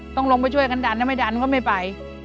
ต้องลงไปช่วยกันดันถ้าไม่ดันก็ไม่ไป